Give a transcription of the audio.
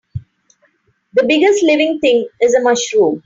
The biggest living thing is a mushroom.